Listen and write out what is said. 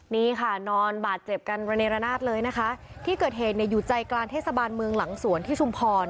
นี่ค่ะนอนบาดเจ็บกันระเนรนาศเลยนะคะที่เกิดเหตุเนี่ยอยู่ใจกลางเทศบาลเมืองหลังสวนที่ชุมพร